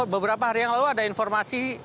beberapa hari yang lalu ada informasi